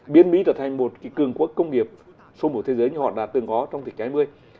biến mỹ trở thành một cường quốc công nghiệp số một thế giới như họ đã từng có trong thị trái mươi